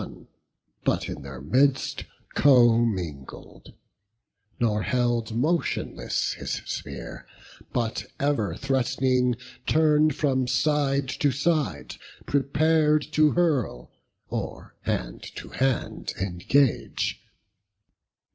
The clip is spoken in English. Yet not aloof he stood, but in their midst, Commingled; nor held motionless his spear; But ever threat'ning, turn'd from side to side, Prepar'd to hurl, or hand to hand engage.